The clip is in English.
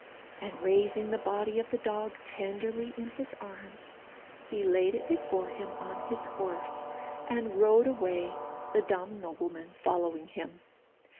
And raising the body of the dog tenderly in his arms, he laid it before him on his horse, and rode away, the dumb nobleman following him.